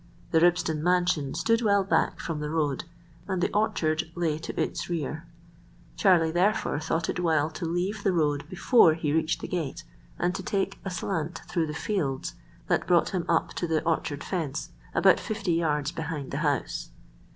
The Ribston mansion stood well back from the road, and the orchard lay to its rear. Charlie therefore thought it well to leave the road before he reached the gate, and to take a slant through the fields that brought him up to the orchard fence about fifty yards behind the house.